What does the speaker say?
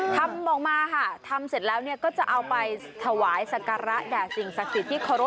ทำออกมาค่ะทำเสร็จแล้วก็จะเอาไปถวายสักการะแด่สิ่งศักดิ์สิทธิ์ที่เคารพ